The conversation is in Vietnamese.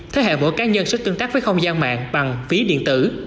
thế hệ mỗi cá nhân sẽ tương tác với không gian mạng bằng ví điện tử